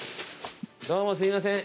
どうもすいません